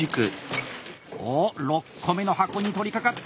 お６個目の箱に取りかかった！